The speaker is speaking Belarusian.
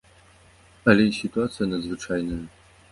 Але і сітуацыя надзвычайная!